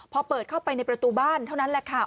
พอเปิดเข้าไปในประตูบ้านเท่านั้นแหละค่ะ